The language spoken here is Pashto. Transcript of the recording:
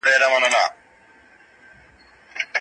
ثنا به خپل نوم بدل کړي.